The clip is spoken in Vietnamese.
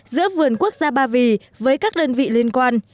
giữa vườn quốc gia ba vì với các đơn vị liên quan